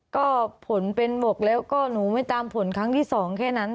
ก็ผลเป็นบวกแล้วก็หนูไม่ตามผลครั้งที่๒แค่นั้น